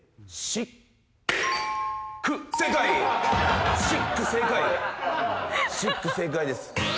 シック正解です。